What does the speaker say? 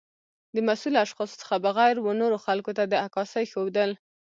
د مسؤلو اشخاصو څخه بغیر و نورو خلګو ته د عکاسۍ ښودل